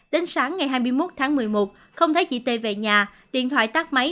đến sáng ngày hai mươi một tháng một mươi một không thấy chị t về nhà điện thoại tắt máy